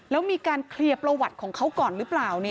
แล้วมีการเคลียร์ประวัติของเขาก่อนหรือเปล่า